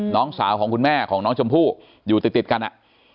น้องสาวของคุณแม่ของน้องชมพู่อยู่ติดติดกันอ่ะ